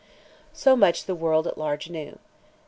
So much the world at large knew.